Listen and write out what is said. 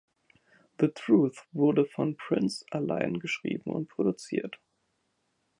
„The Truth“ wurde von Prince allein geschrieben und produziert.